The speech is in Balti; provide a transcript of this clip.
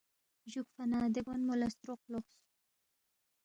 جُوکفا نہ دے گونگمو لہ ستروق لوقس